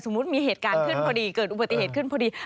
มีเหตุการณ์ขึ้นพอดีเกิดอุบัติเหตุขึ้นพอดี